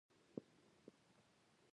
د افغانستان غالۍ نړیوال جایزې ګټلي دي